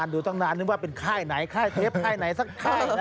ดูตั้งนานนึกว่าเป็นไข้ไหนไข้เทปไข้ไหนสักไข้